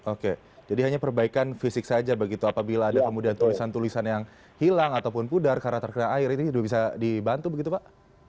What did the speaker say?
oke jadi hanya perbaikan fisik saja begitu apabila ada kemudian tulisan tulisan yang hilang ataupun pudar karena terkena air itu juga bisa dibantu begitu pak